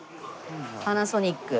パナソニック。